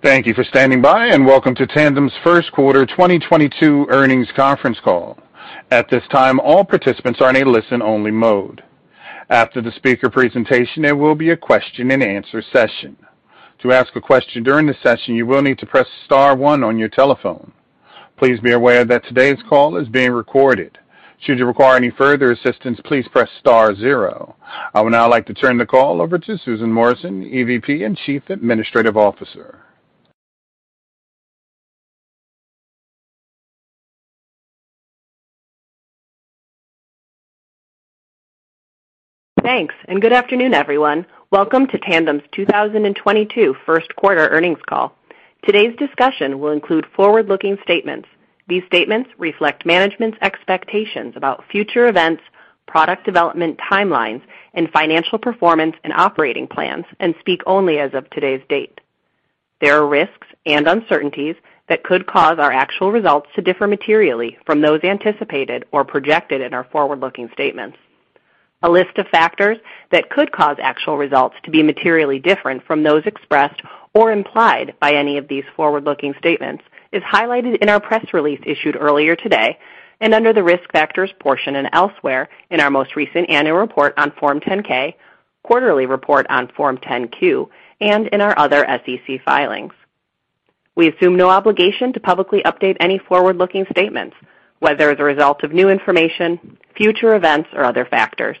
Thank you for standing by and welcome to Tandem's first quarter 2022 earnings conference call. At this time, all participants are in a listen-only mode. After the speaker presentation, there will be a question-and-answer session. To ask a question during the session, you will need to press star one on your telephone. Please be aware that today's call is being recorded. Should you require any further assistance, please press star zero. I would now like to turn the call over to Susan Morrison, EVP and Chief Administrative Officer. Thanks, and good afternoon, everyone. Welcome to Tandem's 2022 first quarter earnings call. Today's discussion will include forward-looking statements. These statements reflect management's expectations about future events, product development timelines, and financial performance and operating plans and speak only as of today's date. There are risks and uncertainties that could cause our actual results to differ materially from those anticipated or projected in our forward-looking statements. A list of factors that could cause actual results to be materially different from those expressed or implied by any of these forward-looking statements is highlighted in our press release issued earlier today and under the risk factors portion and elsewhere in our most recent annual report on Form 10-K, quarterly report on Form 10-Q, and in our other SEC filings. We assume no obligation to publicly update any forward-looking statements, whether as a result of new information, future events, or other factors.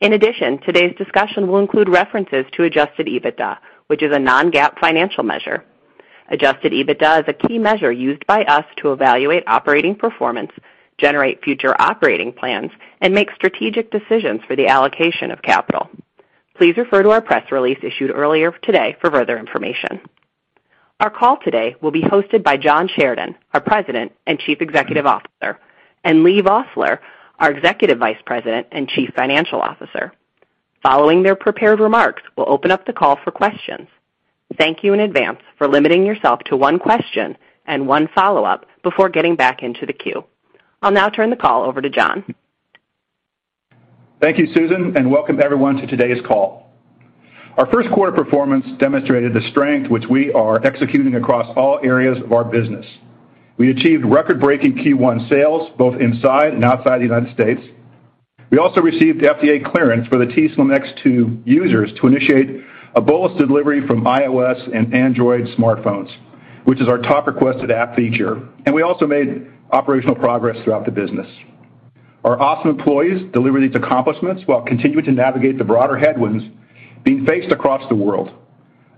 In addition, today's discussion will include references to adjusted EBITDA, which is a non-GAAP financial measure. Adjusted EBITDA is a key measure used by us to evaluate operating performance, generate future operating plans, and make strategic decisions for the allocation of capital. Please refer to our press release issued earlier today for further information. Our call today will be hosted by John Sheridan, our President and Chief Executive Officer, and Leigh Vosseller, our Executive Vice President and Chief Financial Officer. Following their prepared remarks, we'll open up the call for questions. Thank you in advance for limiting yourself to one question and one follow-up before getting back into the queue. I'll now turn the call over to John. Thank you, Susan, and welcome everyone to today's call. Our first quarter performance demonstrated the strength which we are executing across all areas of our business. We achieved record-breaking Q1 sales both inside and outside the United States. We also received FDA clearance for the t:slim X2 users to initiate a bolus delivery from iOS and Android smartphones, which is our top requested app feature. We also made operational progress throughout the business. Our awesome employees delivered these accomplishments while continuing to navigate the broader headwinds being faced across the world.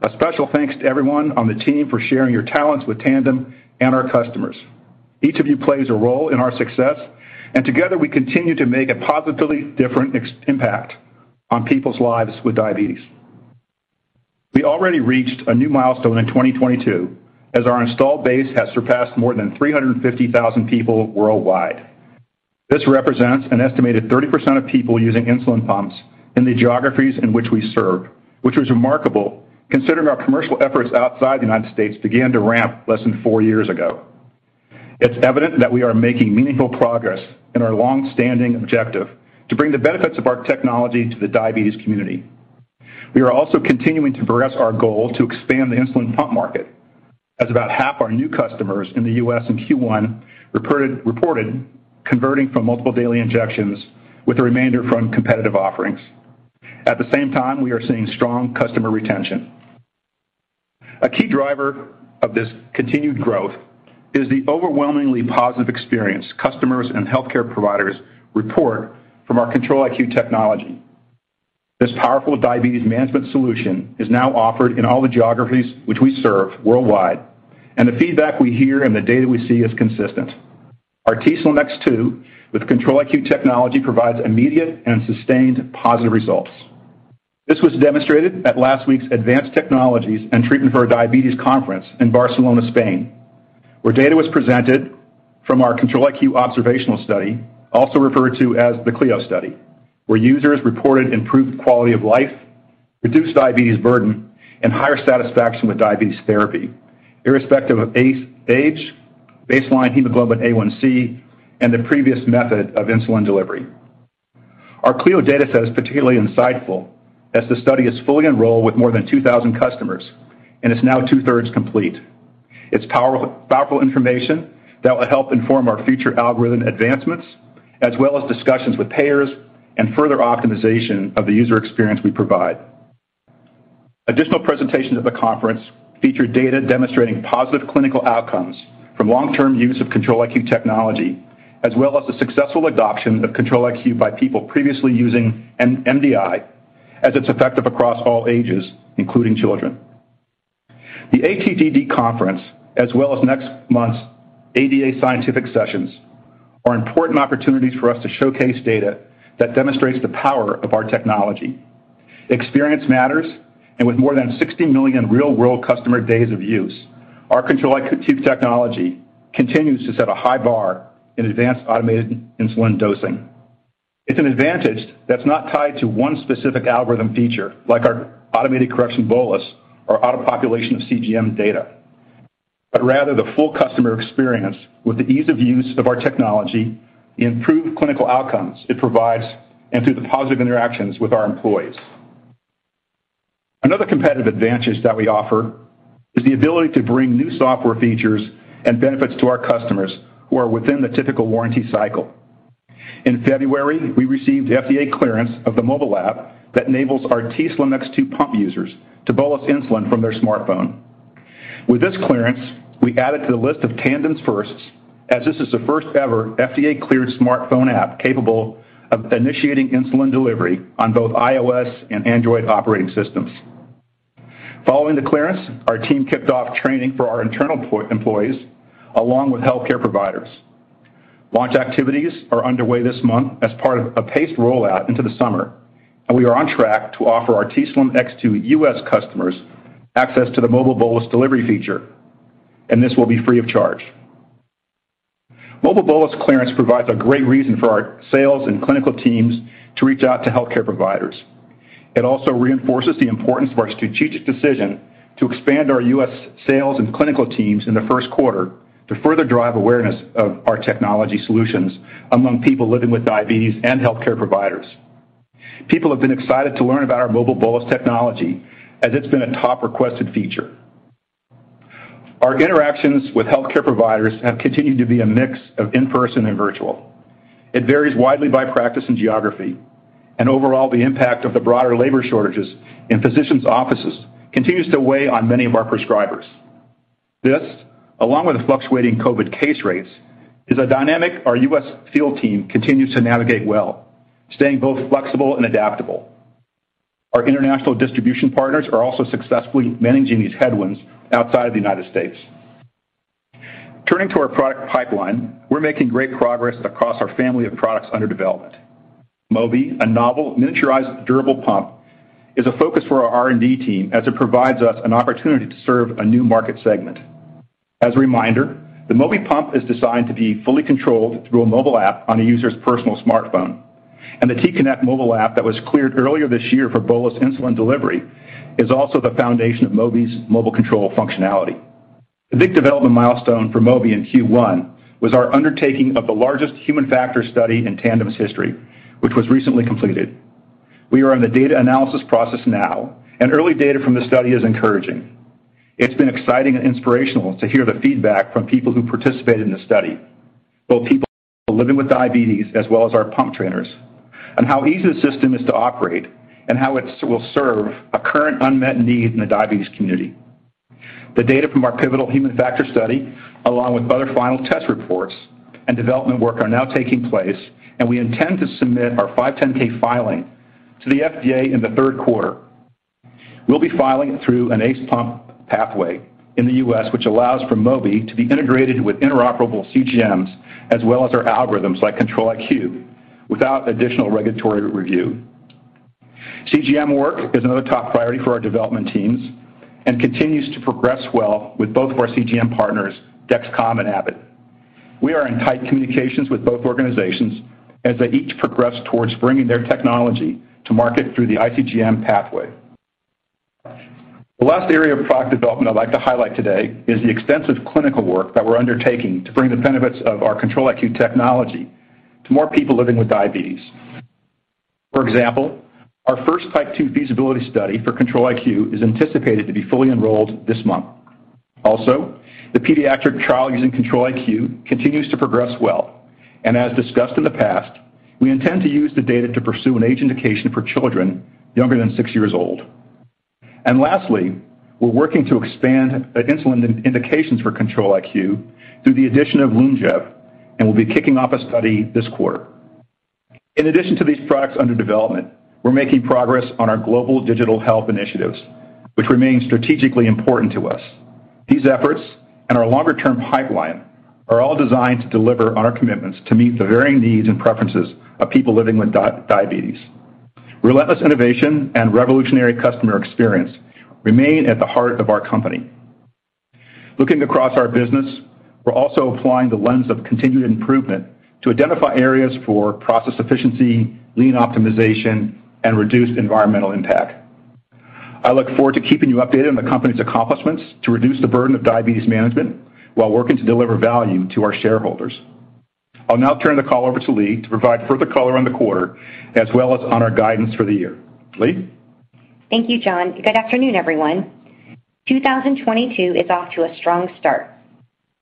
A special thanks to everyone on the team for sharing your talents with Tandem and our customers. Each of you plays a role in our success, and together we continue to make a positive difference on people's lives with diabetes. We already reached a new milestone in 2022 as our installed base has surpassed more than 350,000 people worldwide. This represents an estimated 30% of people using insulin pumps in the geographies in which we serve, which was remarkable considering our commercial efforts outside the United States began to ramp less than 4 years ago. It's evident that we are making meaningful progress in our long-standing objective to bring the benefits of our technology to the diabetes community. We are also continuing to progress our goal to expand the insulin pump market, as about half our new customers in the U.S. in Q1 reported converting from multiple daily injections with the remainder from competitive offerings. At the same time, we are seeing strong customer retention. A key driver of this continued growth is the overwhelmingly positive experience customers and healthcare providers report from our Control-IQ Technology. This powerful diabetes management solution is now offered in all the geographies which we serve worldwide, and the feedback we hear and the data we see is consistent. Our t:slim X2 with Control-IQ Technology provides immediate and sustained positive results. This was demonstrated at last week's Advanced Technologies & Treatments for Diabetes conference in Barcelona, Spain, where data was presented from our Control-IQ observational study, also referred to as the CLIO study, where users reported improved quality of life, reduced diabetes burden, and higher satisfaction with diabetes therapy, irrespective of age, baseline hemoglobin A1C, and the previous method of insulin delivery. Our CLIO data set is particularly insightful as the study is fully enrolled with more than 2,000 customers, and it's now two-thirds complete. It's powerful information that will help inform our future algorithm advancements as well as discussions with payers and further optimization of the user experience we provide. Additional presentations at the conference featured data demonstrating positive clinical outcomes from long-term use of Control-IQ technology as well as the successful adoption of Control-IQ by people previously using MDI as it's effective across all ages, including children. The ATTD conference, as well as next month's ADA scientific sessions, are important opportunities for us to showcase data that demonstrates the power of our technology. Experience matters, and with more than 60 million real-world customer days of use, our Control-IQ technology continues to set a high bar in advanced automated insulin dosing. It's an advantage that's not tied to one specific algorithm feature like our automated correction bolus or auto population of CGM data. Rather the full customer experience with the ease of use of our technology, the improved clinical outcomes it provides, and through the positive interactions with our employees. Another competitive advantage that we offer is the ability to bring new software features and benefits to our customers who are within the typical warranty cycle. In February, we received FDA clearance of the mobile app that enables our t:slim X2 pump users to bolus insulin from their smartphone. With this clearance, we add it to the list of Tandem's firsts as this is the first-ever FDA-cleared smartphone app capable of initiating insulin delivery on both iOS and Android operating systems. Following the clearance, our team kicked off training for our internal employees along with healthcare providers. Launch activities are underway this month as part of a paced rollout into the summer, and we are on track to offer our t:slim X2 U.S. customers access to the Mobile Bolus delivery feature, and this will be free of charge. Mobile Bolus clearance provides a great reason for our sales and clinical teams to reach out to healthcare providers. It also reinforces the importance of our strategic decision to expand our U.S. sales and clinical teams in the first quarter to further drive awareness of our technology solutions among people living with diabetes and healthcare providers. People have been excited to learn about our Mobile Bolus technology as it's been a top requested feature. Our interactions with healthcare providers have continued to be a mix of in-person and virtual. It varies widely by practice and geography, and overall, the impact of the broader labor shortages in physicians' offices continues to weigh on many of our prescribers. This, along with the fluctuating COVID case rates, is a dynamic our U.S. field team continues to navigate well, staying both flexible and adaptable. Our international distribution partners are also successfully managing these headwinds outside the United States. Turning to our product pipeline, we're making great progress across our family of products under development. Mobi, a novel miniaturized durable pump, is a focus for our R&D team as it provides us an opportunity to serve a new market segment. As a reminder, the Mobi pump is designed to be fully controlled through a mobile app on a user's personal smartphone, and the t:connect mobile app that was cleared earlier this year for bolus insulin delivery is also the foundation of Mobi's mobile control functionality. The big development milestone for Mobi in Q1 was our undertaking of the largest human factor study in Tandem's history, which was recently completed. We are in the data analysis process now, and early data from the study is encouraging. It's been exciting and inspirational to hear the feedback from people who participated in the study, both people living with diabetes as well as our pump trainers, on how easy the system is to operate and how it will serve a current unmet need in the diabetes community. The data from our pivotal human factor study, along with other final test reports and development work, are now taking place, and we intend to submit our 510(k) filing to the FDA in the third quarter. We'll be filing it through an ACE pump pathway in the U.S., which allows for Mobi to be integrated with interoperable CGMs as well as our algorithms like Control-IQ without additional regulatory review. CGM work is another top priority for our development teams and continues to progress well with both of our CGM partners, Dexcom and Abbott. We are in tight communications with both organizations as they each progress towards bringing their technology to market through the iCGM pathway. The last area of product development I'd like to highlight today is the extensive clinical work that we're undertaking to bring the benefits of our Control-IQ technology to more people living with diabetes. For example, our first type 2 feasibility study for Control-IQ is anticipated to be fully enrolled this month. Also, the pediatric trial using Control-IQ continues to progress well. As discussed in the past, we intend to use the data to pursue an age indication for children younger than 6 years old. Lastly, we're working to expand insulin indications for Control-IQ through the addition of Lyumjev, and we'll be kicking off a study this quarter. In addition to these products under development, we're making progress on our global digital health initiatives, which remain strategically important to us. These efforts and our longer-term pipeline are all designed to deliver on our commitments to meet the varying needs and preferences of people living with diabetes. Relentless innovation and revolutionary customer experience remain at the heart of our company. Looking across our business, we're also applying the lens of continued improvement to identify areas for process efficiency, lean optimization, and reduced environmental impact. I look forward to keeping you updated on the company's accomplishments to reduce the burden of diabetes management while working to deliver value to our shareholders. I'll now turn the call over to Leigh to provide further color on the quarter as well as on our guidance for the year. Leigh? Thank you, John. Good afternoon, everyone. 2022 is off to a strong start.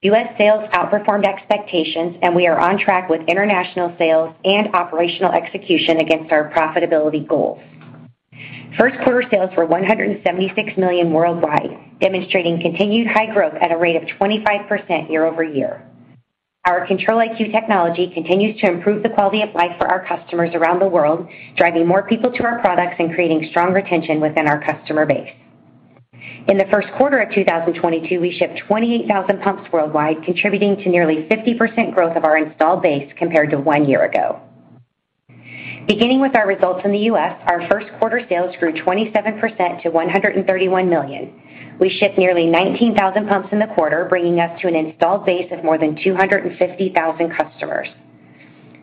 US sales outperformed expectations, and we are on track with international sales and operational execution against our profitability goals. First quarter sales were $176 million worldwide, demonstrating continued high growth at a rate of 25% year-over-year. Our Control-IQ technology continues to improve the quality of life for our customers around the world, driving more people to our products and creating strong retention within our customer base. In the first quarter of 2022, we shipped 28,000 pumps worldwide, contributing to nearly 50% growth of our installed base compared to one year ago. Beginning with our results in the US, our first quarter sales grew 27% to $131 million. We shipped nearly 19,000 pumps in the quarter, bringing us to an installed base of more than 250,000 customers.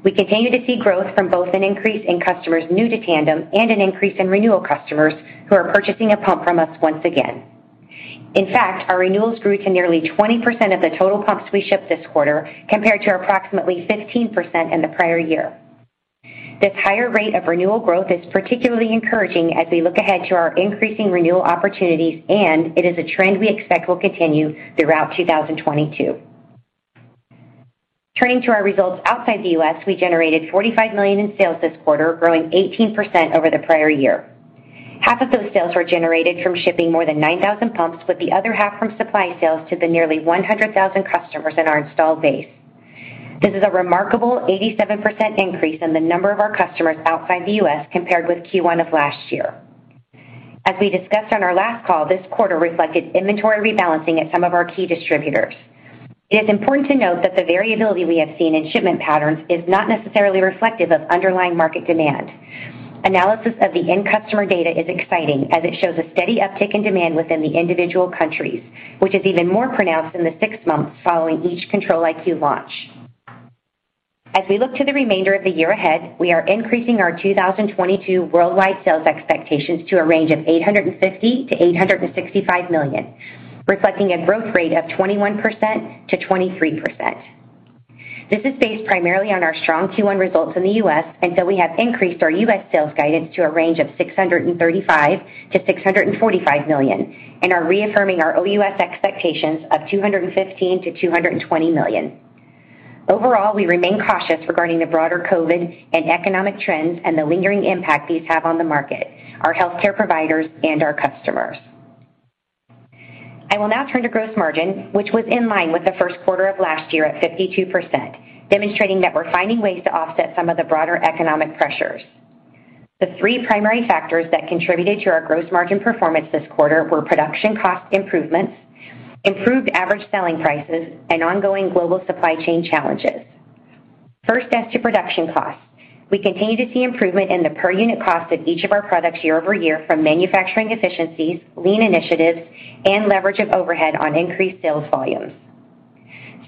We continue to see growth from both an increase in customers new to Tandem and an increase in renewal customers who are purchasing a pump from us once again. In fact, our renewals grew to nearly 20% of the total pumps we shipped this quarter, compared to approximately 15% in the prior year. This higher rate of renewal growth is particularly encouraging as we look ahead to our increasing renewal opportunities, and it is a trend we expect will continue throughout 2022. Turning to our results outside the U.S., we generated $45 million in sales this quarter, growing 18% over the prior year. Half of those sales were generated from shipping more than 9,000 pumps, with the other half from supply sales to the nearly 100,000 customers in our installed base. This is a remarkable 87% increase in the number of our customers outside the U.S. compared with Q1 of last year. As we discussed on our last call, this quarter reflected inventory rebalancing at some of our key distributors. It is important to note that the variability we have seen in shipment patterns is not necessarily reflective of underlying market demand. Analysis of the end customer data is exciting as it shows a steady uptick in demand within the individual countries, which is even more pronounced in the six months following each Control-IQ launch. As we look to the remainder of the year ahead, we are increasing our 2022 worldwide sales expectations to a range of $850 million-$865 million, reflecting a growth rate of 21%-23%. This is based primarily on our strong Q1 results in the US, and so we have increased our US sales guidance to a range of $635 million-$645 million and are reaffirming our OUS expectations of $215 million-$220 million. Overall, we remain cautious regarding the broader COVID and economic trends and the lingering impact these have on the market, our healthcare providers, and our customers. I will now turn to gross margin, which was in line with the first quarter of last year at 52%, demonstrating that we're finding ways to offset some of the broader economic pressures. The three primary factors that contributed to our gross margin performance this quarter were production cost improvements, improved average selling prices, and ongoing global supply chain challenges. First, as to production costs, we continue to see improvement in the per unit cost of each of our products year-over-year from manufacturing efficiencies, lean initiatives, and leverage of overhead on increased sales volumes.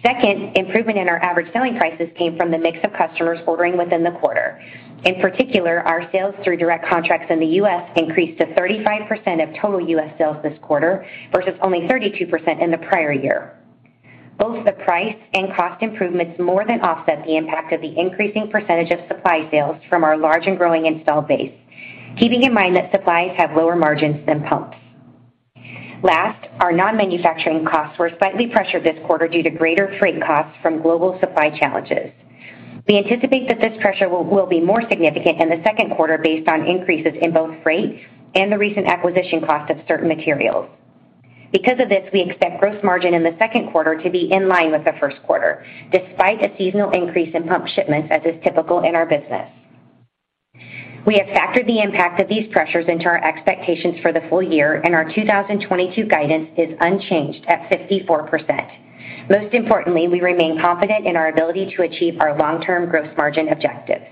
Second, improvement in our average selling prices came from the mix of customers ordering within the quarter. In particular, our sales through direct contracts in the U.S. increased to 35% of total U.S. sales this quarter versus only 32% in the prior year. Both the price and cost improvements more than offset the impact of the increasing percentage of supply sales from our large and growing installed base, keeping in mind that supplies have lower margins than pumps. Last, our non-manufacturing costs were slightly pressured this quarter due to greater freight costs from global supply challenges. We anticipate that this pressure will be more significant in the second quarter based on increases in both freight and the recent acquisition cost of certain materials. Because of this, we expect gross margin in the second quarter to be in line with the first quarter, despite a seasonal increase in pump shipments, as is typical in our business. We have factored the impact of these pressures into our expectations for the full year, and our 2022 guidance is unchanged at 54%. Most importantly, we remain confident in our ability to achieve our long-term gross margin objectives.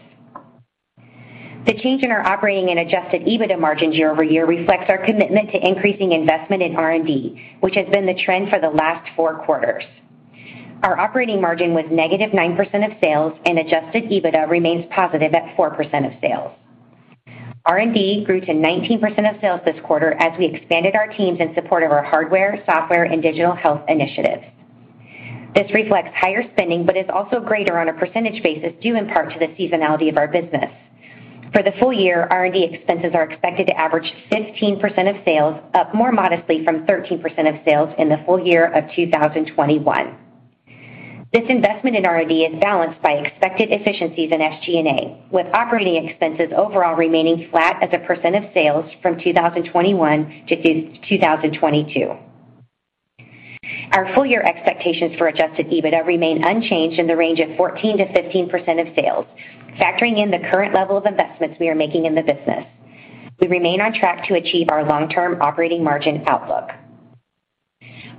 The change in our operating and adjusted EBITDA margins year over year reflects our commitment to increasing investment in R&D, which has been the trend for the last four quarters. Our operating margin was negative 9% of sales, and adjusted EBITDA remains positive at 4% of sales. R&D grew to 19% of sales this quarter as we expanded our teams in support of our hardware, software, and digital health initiatives. This reflects higher spending, but is also greater on a percentage basis, due in part to the seasonality of our business. For the full year, R&D expenses are expected to average 15% of sales, up more modestly from 13% of sales in the full year of 2021. This investment in R&D is balanced by expected efficiencies in SG&A, with operating expenses overall remaining flat as a % of sales from 2021 to 2022. Our full year expectations for adjusted EBITDA remain unchanged in the range of 14%-15% of sales, factoring in the current level of investments we are making in the business. We remain on track to achieve our long-term operating margin outlook.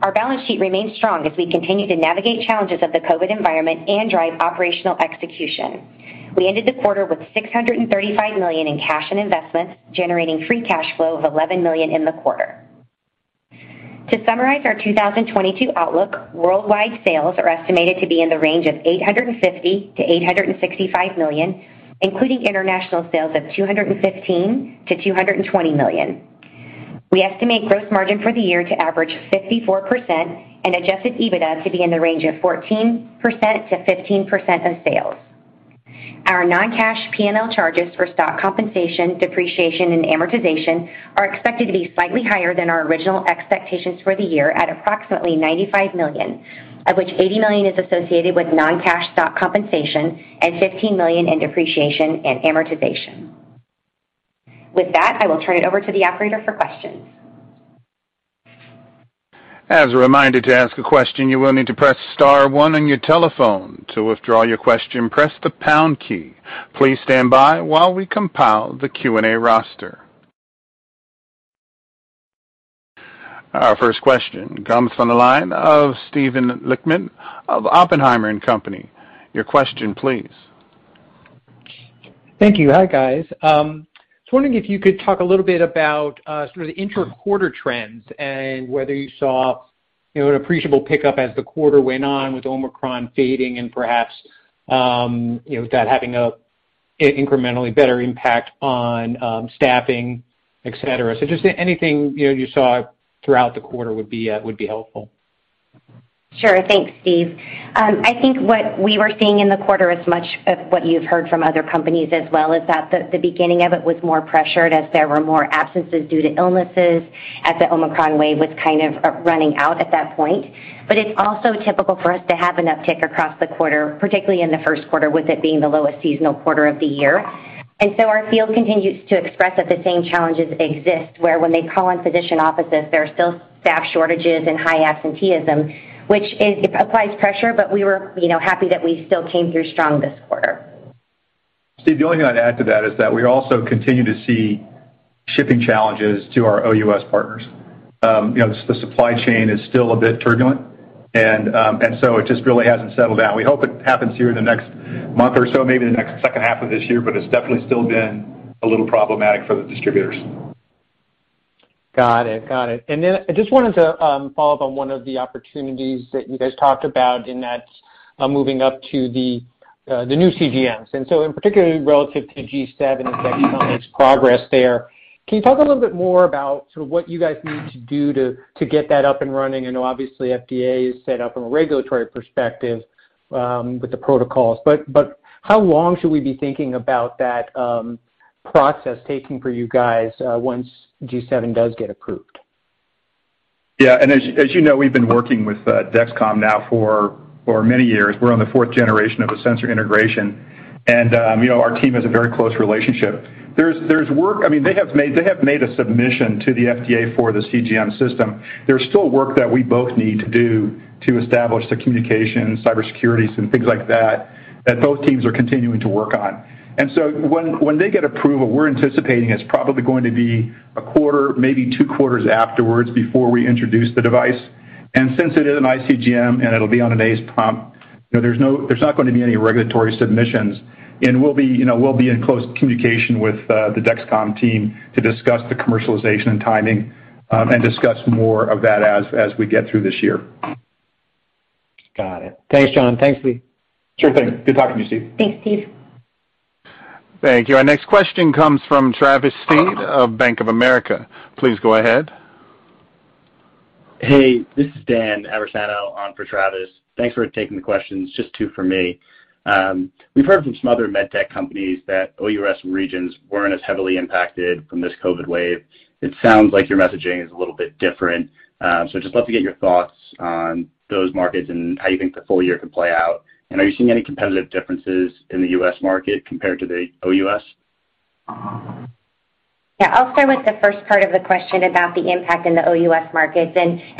Our balance sheet remains strong as we continue to navigate challenges of the COVID environment and drive operational execution. We ended the quarter with $635 million in cash and investments, generating free cash flow of $11 million in the quarter. To summarize our 2022 outlook, worldwide sales are estimated to be in the range of $850 million-$865 million, including international sales of $215 million-$220 million. We estimate gross margin for the year to average 54% and adjusted EBITDA to be in the range of 14%-15% of sales. Our non-cash P&L charges for stock compensation, depreciation, and amortization are expected to be slightly higher than our original expectations for the year at approximately $95 million, of which $80 million is associated with non-cash stock compensation and $15 million in depreciation and amortization. With that, I will turn it over to the operator for questions. As a reminder, to ask a question, you will need to press star one on your telephone. To withdraw your question, press the pound key. Please stand by while we compile the Q&A roster. Our first question comes from the line of Steven Lichtman of Oppenheimer & Co. Inc. Your question please. Thank you. Hi, guys. I was wondering if you could talk a little bit about sort of the inter-quarter trends and whether you saw, you know, an appreciable pickup as the quarter went on with Omicron fading and perhaps that having an incrementally better impact on staffing, et cetera. Just anything, you know, you saw throughout the quarter would be helpful. Sure. Thanks, Steve. I think what we were seeing in the quarter as much of what you've heard from other companies as well is that the beginning of it was more pressured as there were more absences due to illnesses as the Omicron wave was kind of running out at that point. But it's also typical for us to have an uptick across the quarter, particularly in the first quarter, with it being the lowest seasonal quarter of the year. Our field continues to express that the same challenges exist, where when they call on physician offices, there are still staff shortages and high absenteeism, which applies pressure, but we were, you know, happy that we still came through strong this quarter. Steve, the only thing I'd add to that is that we also continue to see shipping challenges to our OUS partners. You know, the supply chain is still a bit turbulent and so it just really hasn't settled down. We hope it happens here in the next month or so, maybe the next second half of this year, but it's definitely still been a little problematic for the distributors. Got it. I just wanted to follow up on one of the opportunities that you guys talked about, and that's moving up to the new CGMs. In particular relative to G7 and Dexcom's progress there, can you talk a little bit more about sort of what you guys need to do to get that up and running? I know obviously FDA is set up from a regulatory perspective with the protocols, but how long should we be thinking about that process taking for you guys once G7 does get approved? Yeah, as you know, we've been working with Dexcom now for many years. We're on the fourth generation of a sensor integration. You know, our team has a very close relationship. There's work. I mean, they have made a submission to the FDA for the CGM system. There's still work that we both need to do to establish the communication, cybersecurity, some things like that both teams are continuing to work on. When they get approval, we're anticipating it's probably going to be a quarter, maybe two quarters afterwards before we introduce the device. Since it is an iCGM, and it'll be on an ACE pump, you know, there's not going to be any regulatory submissions. We'll be, you know, in close communication with the Dexcom team to discuss the commercialization and timing, and discuss more of that as we get through this year. Got it. Thanks, John. Thanks, Leigh. Sure thing. Good talking to you, Steve. Thanks, Steve. Thank you. Our next question comes from Travis Steed of Bank of America. Please go ahead. Hey, this is Dan Aversano on for Travis. Thanks for taking the questions. Just two for me. We've heard from some other med tech companies that OUS regions weren't as heavily impacted from this COVID wave. It sounds like your messaging is a little bit different. Just love to get your thoughts on those markets and how you think the full year could play out. Are you seeing any competitive differences in the U.S. market compared to the OUS? Yeah. I'll start with the first part of the question about the impact in the OUS markets.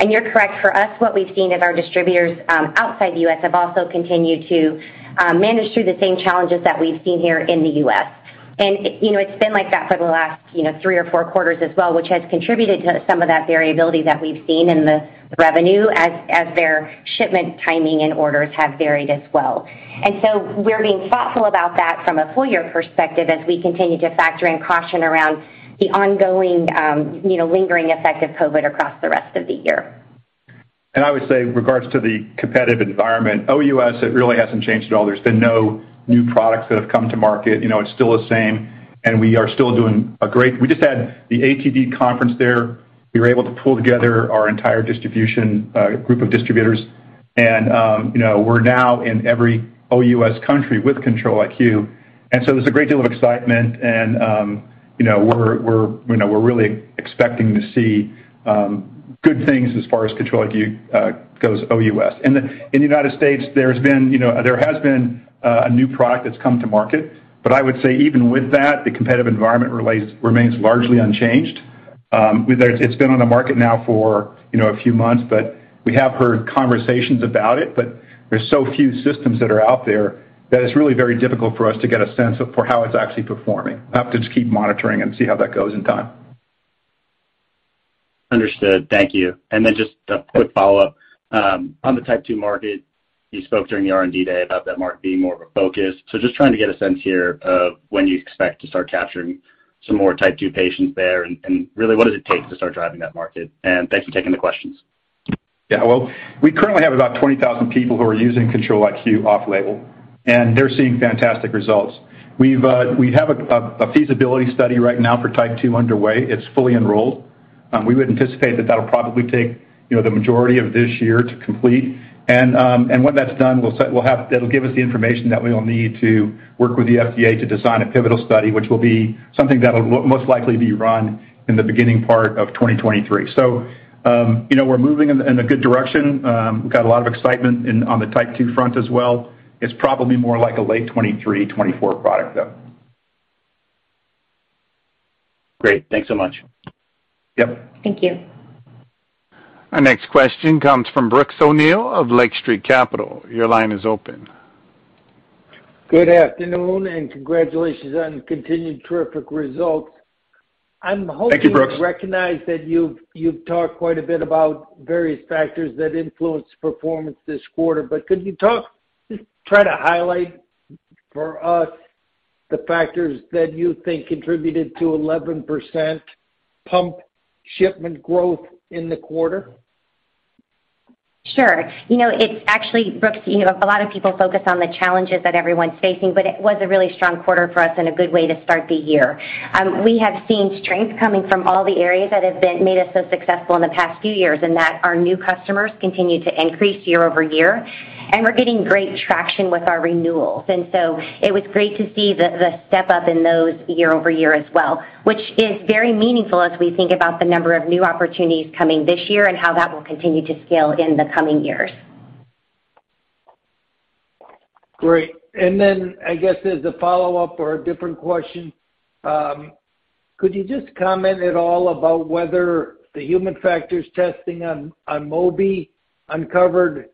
You're correct. For us, what we've seen is our distributors outside the US have also continued to manage through the same challenges that we've seen here in the US. You know, it's been like that for the last, you know, 3 or 4 quarters as well, which has contributed to some of that variability that we've seen in the revenue as their shipment timing and orders have varied as well. We're being thoughtful about that from a full year perspective as we continue to factor in caution around the ongoing, you know, lingering effect of COVID across the rest of the year. I would say with regard to the competitive environment, OUS, it really hasn't changed at all. There's been no new products that have come to market. You know, it's still the same, and we just had the ATTD conference there. We were able to pull together our entire distribution group of distributors and, you know, we're now in every OUS country with Control-IQ. And so there's a great deal of excitement and, you know, we're really expecting to see good things as far as Control-IQ goes OUS. In the United States, there's been, you know, there has been a new product that's come to market. But I would say even with that, the competitive environment remains largely unchanged. It's been on the market now for, you know, a few months, but we have heard conversations about it, but there's so few systems that are out there that it's really very difficult for us to get a sense of for how it's actually performing. We'll have to just keep monitoring and see how that goes in time. Understood. Thank you. Then just a quick follow-up. On the type 2 market, you spoke during the R&D day about that market being more of a focus. Just trying to get a sense here of when you expect to start capturing some more type 2 patients there, and really what does it take to start driving that market? Thanks for taking the questions. Yeah. Well, we currently have about 20,000 people who are using Control-IQ off-label, and they're seeing fantastic results. We have a feasibility study right now for type 2 underway. It's fully enrolled. We would anticipate that that'll probably take, you know, the majority of this year to complete. When that's done, that'll give us the information that we'll need to work with the FDA to design a pivotal study, which will be something that'll most likely be run in the beginning part of 2023. You know, we're moving in a good direction. We've got a lot of excitement on the type 2 front as well. It's probably more like a late 2023, 2024 product, though. Great. Thanks so much. Yep. Thank you. Our next question comes from Brooks O'Neil of Lake Street Capital. Your line is open. Good afternoon, and congratulations on continued terrific results. Thank you, Brooks. To recognize that you've talked quite a bit about various factors that influence performance this quarter. Could you just try to highlight for us the factors that you think contributed to 11% pump shipment growth in the quarter? Sure. You know, it's actually, Brooks, you know, a lot of people focus on the challenges that everyone's facing, but it was a really strong quarter for us and a good way to start the year. We have seen strength coming from all the areas that have made us so successful in the past few years, and that our new customers continue to increase year-over-year. We're getting great traction with our renewals. It was great to see the step up in those year-over-year as well, which is very meaningful as we think about the number of new opportunities coming this year and how that will continue to scale in the coming years. Great. Then I guess as a follow-up or a different question, could you just comment at all about whether the human factors testing on Mobi uncovered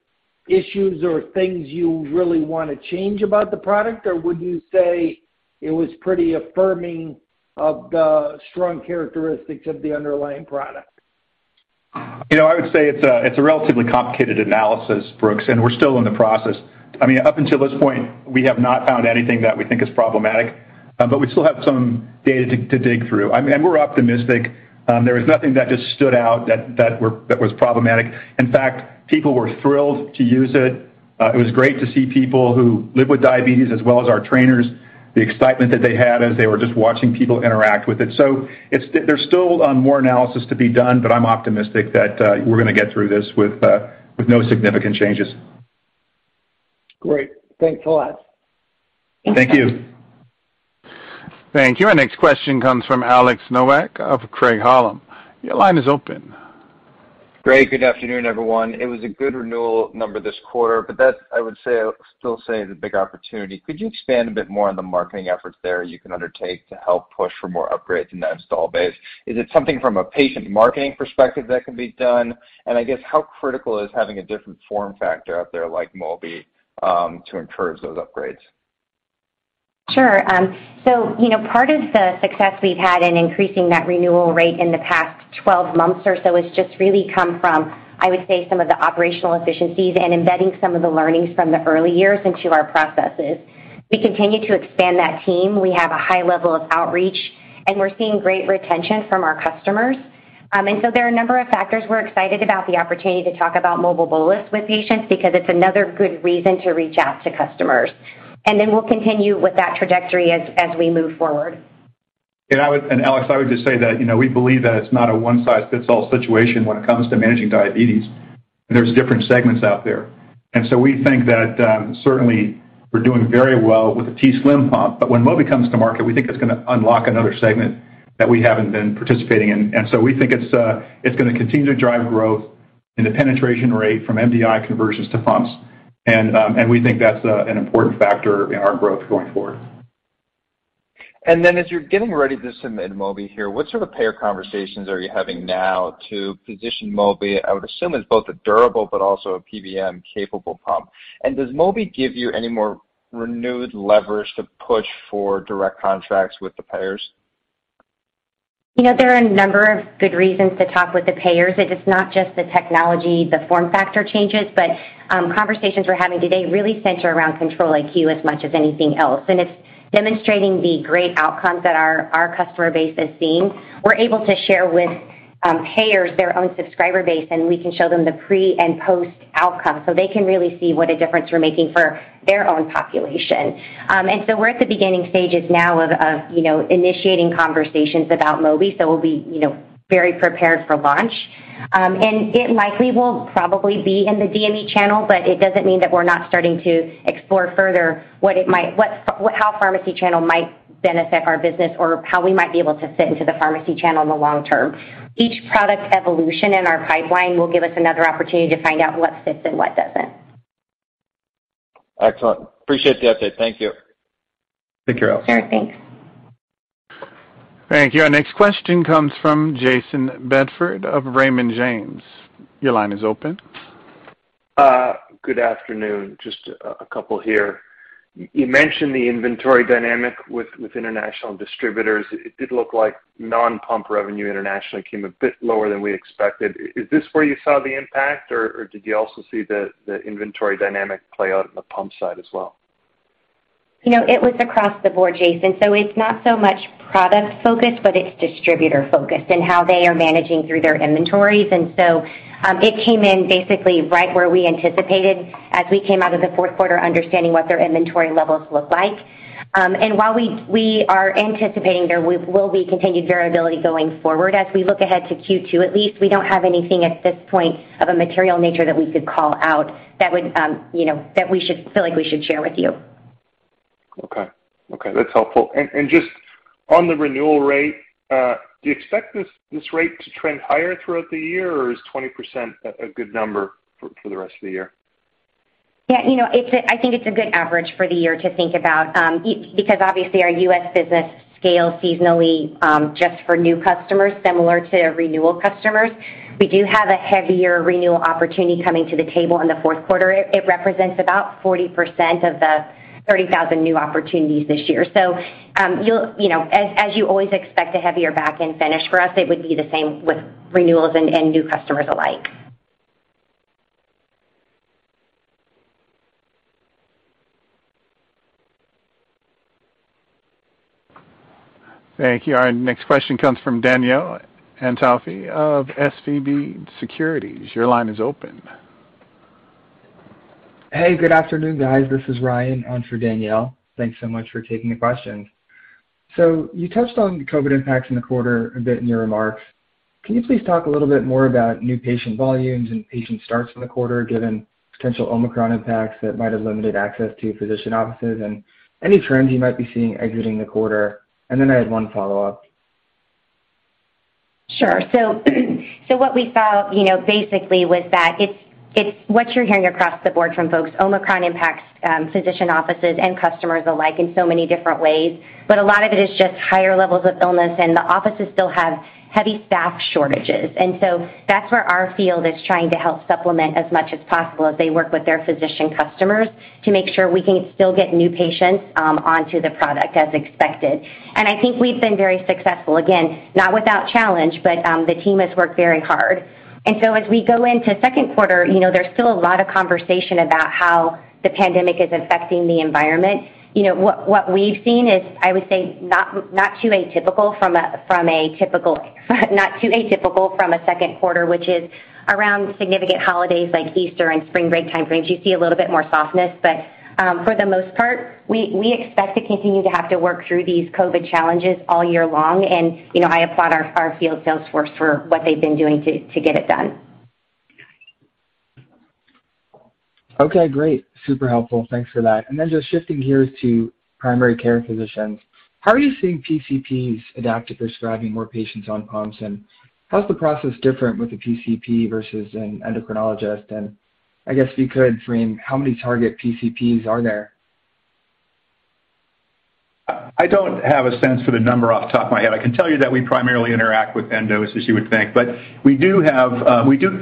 issues or things you really wanna change about the product? Or would you say it was pretty affirming of the strong characteristics of the underlying product? You know, I would say it's a relatively complicated analysis, Brooks, and we're still in the process. I mean, up until this point, we have not found anything that we think is problematic, but we still have some data to dig through. I mean, we're optimistic. There was nothing that just stood out that was problematic. In fact, people were thrilled to use it. It was great to see people who live with diabetes as well as our trainers, the excitement that they had as they were just watching people interact with it. There's still more analysis to be done, but I'm optimistic that we're gonna get through this with no significant changes. Great. Thanks a lot. Thank you. Thank you. Thank you. Our next question comes from Alex Nowak of Craig-Hallum. Your line is open. Great. Good afternoon, everyone. It was a good renewal number this quarter, but that's, I would say, still the big opportunity. Could you expand a bit more on the marketing efforts there you can undertake to help push for more upgrades in that installed base? Is it something from a patient marketing perspective that can be done? I guess how critical is having a different form factor out there like Mobi to encourage those upgrades? Sure. You know, part of the success we've had in increasing that renewal rate in the past 12 months or so has just really come from, I would say, some of the operational efficiencies and embedding some of the learnings from the early years into our processes. We continue to expand that team. We have a high level of outreach, and we're seeing great retention from our customers. There are a number of factors. We're excited about the opportunity to talk about Mobile Bolus with patients because it's another good reason to reach out to customers. We'll continue with that trajectory as we move forward. Alex, I would just say that, you know, we believe that it's not a one size fits all situation when it comes to managing diabetes, and there's different segments out there. We think that certainly we're doing very well with the t:slim pump, but when Mobi comes to market, we think it's gonna unlock another segment that we haven't been participating in. We think it's gonna continue to drive growth in the penetration rate from MDI conversions to pumps. We think that's an important factor in our growth going forward. Then as you're getting ready to submit Mobi here, what sort of payer conversations are you having now to position Mobi, I would assume, as both a durable but also a PBM capable pump? Does Mobi give you any more renewed leverage to push for direct contracts with the payers? You know, there are a number of good reasons to talk with the payers. It is not just the technology, the form factor changes, but conversations we're having today really center around Control-IQ as much as anything else. It's demonstrating the great outcomes that our customer base has seen. We're able to share with payers their own subscriber base, and we can show them the pre- and post-outcomes, so they can really see what a difference we're making for their own population. We're at the beginning stages now of you know, initiating conversations about Mobi, so we'll be you know, very prepared for launch. It likely will probably be in the DME channel, but it doesn't mean that we're not starting to explore further how pharmacy channel might benefit our business or how we might be able to fit into the pharmacy channel in the long term. Each product evolution in our pipeline will give us another opportunity to find out what fits and what doesn't. Excellent. Appreciate the update. Thank you. Thank you, Alex. Sure. Thanks. Thank you. Our next question comes from Jayson Bedford of Raymond James. Your line is open. Good afternoon. Just a couple here. You mentioned the inventory dynamic with international distributors. It did look like non-pump revenue internationally came a bit lower than we expected. Is this where you saw the impact, or did you also see the inventory dynamic play out in the pump side as well? You know, it was across the board, Jayson. It's not so much product focused, but it's distributor focused and how they are managing through their inventories. It came in basically right where we anticipated as we came out of the fourth quarter understanding what their inventory levels look like. While we are anticipating there will be continued variability going forward as we look ahead to Q2, at least we don't have anything at this point of a material nature that we could call out that would, you know, that we should feel like we should share with you. Okay. Okay, that's helpful. Just on the renewal rate, do you expect this rate to trend higher throughout the year, or is 20% a good number for the rest of the year? Yeah, you know, I think it's a good average for the year to think about because obviously our U.S. business scales seasonally just for new customers similar to renewal customers. We do have a heavier renewal opportunity coming to the table in the fourth quarter. It represents about 40% of the 30,000 new opportunities this year. You'll, you know, as you always expect a heavier back-end finish for us, it would be the same with renewals and new customers alike. Thank you. Our next question comes from Danielle Antalffy of SVB Securities. Your line is open. Hey, good afternoon, guys. This is Ryan on for Danielle. Thanks so much for taking the questions. You touched on the COVID impacts in the quarter a bit in your remarks. Can you please talk a little bit more about new patient volumes and patient starts in the quarter, given potential Omicron impacts that might have limited access to physician offices and any trends you might be seeing exiting the quarter? Then I had one follow-up. Sure. What we saw, you know, basically was that it's what you're hearing across the board from folks. Omicron impacts physician offices and customers alike in so many different ways. A lot of it is just higher levels of illness, and the offices still have heavy staff shortages. That's where our field is trying to help supplement as much as possible as they work with their physician customers to make sure we can still get new patients onto the product as expected. I think we've been very successful. Again, not without challenge, but the team has worked very hard. As we go into second quarter, you know, there's still a lot of conversation about how the pandemic is affecting the environment. You know what we've seen is, I would say, not too atypical from a typical second quarter, which is around significant holidays like Easter and spring break time frames. You see a little bit more softness, but for the most part, we expect to continue to have to work through these COVID challenges all year long. You know, I applaud our field sales force for what they've been doing to get it done. Okay, great. Super helpful. Thanks for that. Just shifting gears to primary care physicians. How are you seeing PCPs adapt to prescribing more patients on pumps, and how's the process different with a PCP versus an endocrinologist? I guess if you could frame how many target PCPs are there? I don't have a sense for the number off the top of my head. I can tell you that we primarily interact with endos, as you would think. We do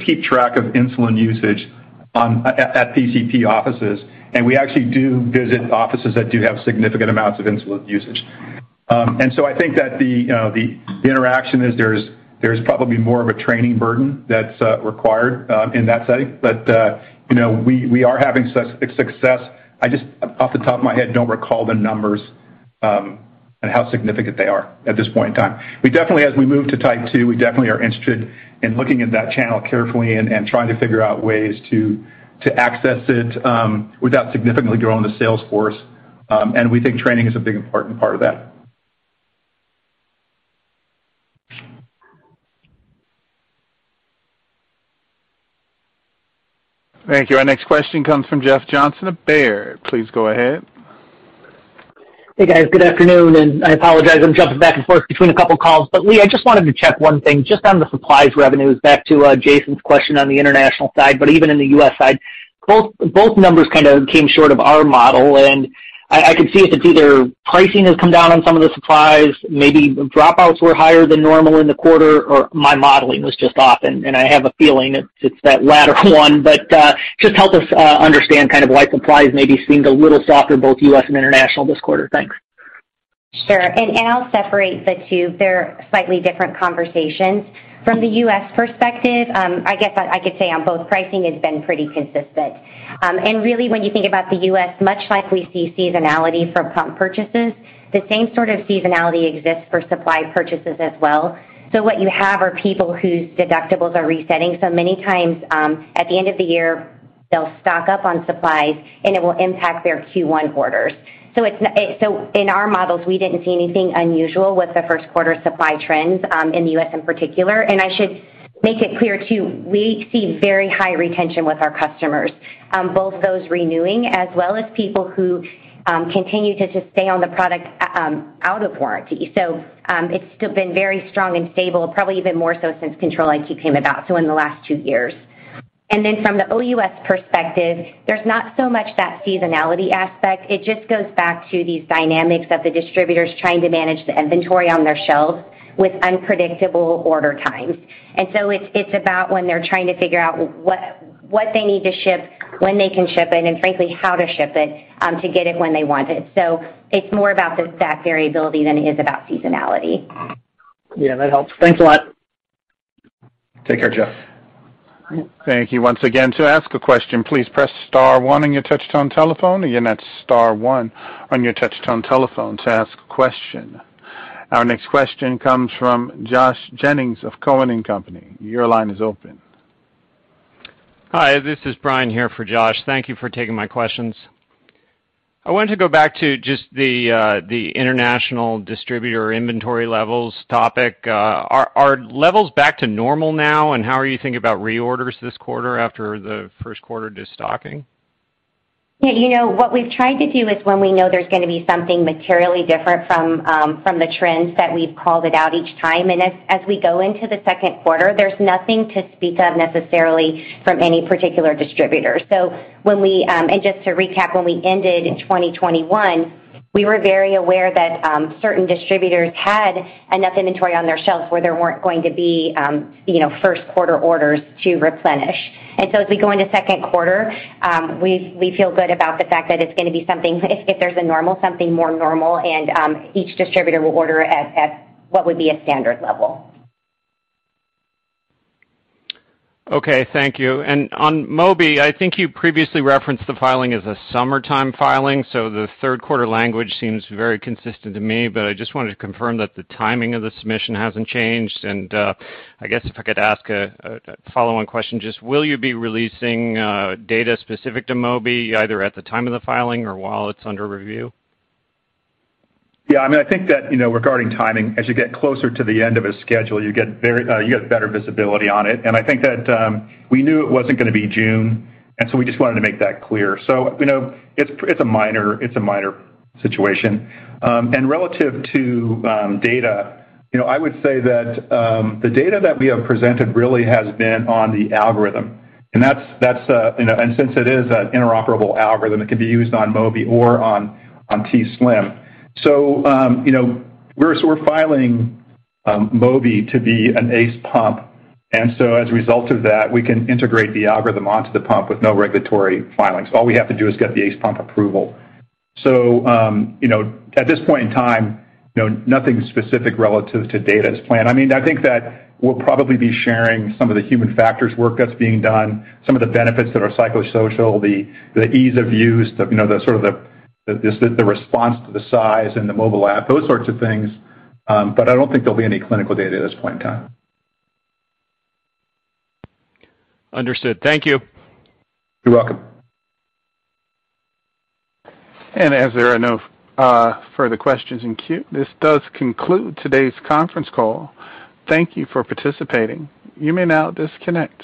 keep track of insulin usage at PCP offices, and we actually do visit offices that do have significant amounts of insulin usage. I think that you know the interaction is there's probably more of a training burden that's required in that setting. You know, we are having success. I just off the top of my head don't recall the numbers and how significant they are at this point in time. We definitely as we move to type two, we definitely are interested in looking at that channel carefully and trying to figure out ways to access it, without significantly growing the sales force. We think training is a big important part of that. Thank you. Our next question comes from Jeff Johnson of Baird. Please go ahead. Hey, guys. Good afternoon. I apologize, I'm jumping back and forth between a couple calls. Leigh Vosseller, I just wanted to check one thing, just on the supplies revenues, back to Jayson Bedford's question on the international side, but even in the U.S. side, both numbers kind of came short of our model. I could see if it's either pricing has come down on some of the supplies, maybe dropouts were higher than normal in the quarter, or my modeling was just off. I have a feeling it's that latter one. Just help us understand kind of why supplies may be seeing a little softer, both U.S. and international this quarter. Thanks. Sure. I'll separate the two. They're slightly different conversations. From the U.S. perspective, I guess I could say on both, pricing has been pretty consistent. Really, when you think about the U.S., much like we see seasonality for pump purchases, the same sort of seasonality exists for supply purchases as well. What you have are people whose deductibles are resetting. Many times, at the end of the year, they'll stock up on supplies, and it will impact their Q1 orders. In our models, we didn't see anything unusual with the first quarter supply trends, in the U.S. in particular. I should make it clear, too, we see very high retention with our customers, both those renewing as well as people who continue to just stay on the product, out of warranty. It's still been very strong and stable, probably even more so since Control-IQ came about, so in the last two years. From the OUS perspective, there's not so much that seasonality aspect. It just goes back to these dynamics of the distributors trying to manage the inventory on their shelves with unpredictable order times. It's about when they're trying to figure out what they need to ship, when they can ship it, and frankly, how to ship it to get it when they want it. It's more about the stock variability than it is about seasonality. Yeah, that helps. Thanks a lot. Take care, Jeff. Thank you once again. To ask a question, please press star one on your touch tone telephone. Again, that's star one on your touch tone telephone to ask a question. Our next question comes from Josh Jennings of Cowen and Company. Your line is open. Hi, this is Brian here for Josh. Thank you for taking my questions. I wanted to go back to just the international distributor inventory levels topic. Are levels back to normal now? How are you thinking about reorders this quarter after the first quarter de-stocking? Yeah, you know, what we've tried to do is when we know there's gonna be something materially different from the trends that we've called it out each time. As we go into the second quarter, there's nothing to speak of necessarily from any particular distributor. And just to recap, when we ended in 2021, we were very aware that certain distributors had enough inventory on their shelves where there weren't going to be, you know, first quarter orders to replenish. As we go into second quarter, we feel good about the fact that it's gonna be something, if there's a normal, something more normal. Each distributor will order at what would be a standard level. Okay, thank you. On Mobi, I think you previously referenced the filing as a summertime filing. The third quarter language seems very consistent to me. I just wanted to confirm that the timing of the submission hasn't changed. I guess if I could ask a follow-on question, just will you be releasing data specific to Mobi either at the time of the filing or while it's under review? Yeah, I mean, I think that, you know, regarding timing, as you get closer to the end of a schedule, you get better visibility on it. I think that we knew it wasn't gonna be June, and so we just wanted to make that clear. You know, it's a minor situation. Relative to data, you know, I would say that the data that we have presented really has been on the algorithm, and that's, you know, and since it is an interoperable algorithm, it can be used on Mobi or on t:slim. You know, we're filing Mobi to be an ACE pump. As a result of that, we can integrate the algorithm onto the pump with no regulatory filings. All we have to do is get the ACE pump approval. You know, at this point in time, you know, nothing specific relative to data is planned. I mean, I think that we'll probably be sharing some of the human factors work that's being done, some of the benefits that are psychosocial, the ease of use, you know, the sort of the response to the size and the mobile app, those sorts of things. I don't think there'll be any clinical data at this point in time. Understood. Thank you. You're welcome. As there are no further questions in queue, this does conclude today's conference call. Thank you for participating. You may now disconnect.